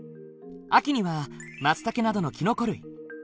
秋にはまつたけなどのきのこ類。